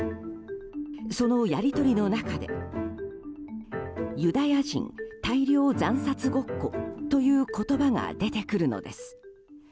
そのやり取りの中でユダヤ人大量惨殺ごっこという言葉が出てくるのです。